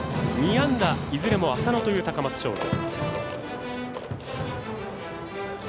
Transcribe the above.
２安打いずれも浅野という高松商業。